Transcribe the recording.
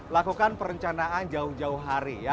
lakukan perencanaan jauh jauh hari ya